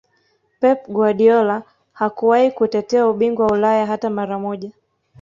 Pep Guardiola hakuwahi kutetea ubingwa wa Ulaya hata mara moja